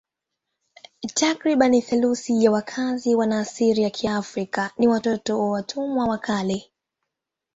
Takriban theluthi ya wakazi wana asili ya Kiafrika ni watoto wa watumwa wa kale.